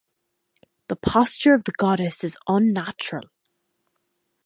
The posture of the goddesses is unnatural.